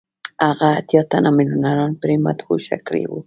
هغه اتیا تنه میلیونران پرې مدهوشه کړي وو